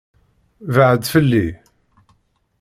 Beɛɛdet fell-i.